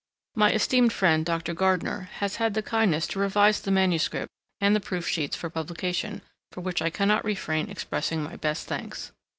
My esteemed friend, Dr. Gardner, has had the kindness to revise the manuscript and the proof sheets for publication, for which I cannot refrain expressing my best thanks.